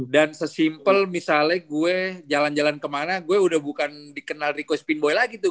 dan sesimpel misalnya gue jalan jalan kemana gue udah bukan dikenal rico spinboy lagi tuh